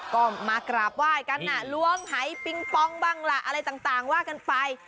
ก็มากราบไหว้กันล้วงหายปิงปองบ้างล่ะอะไรต่างว่ากันไป